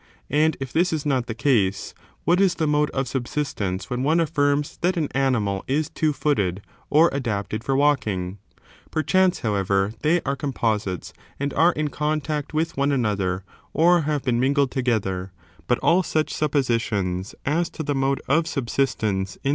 And if this is not the qase, what is the mode of subsistence when one aflGjrms that an animal is two footed, or adapted for walking ? Perchance, however, they are composites, and are in contact with one another, or have been mingled together. But all such suppositions as to the mode of subsistence ip.